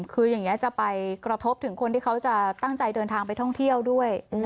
คืออย่างนี้จะไปกระทบถึงคนที่เขาจะตั้งใจเดินทางไปท่องเที่ยวด้วย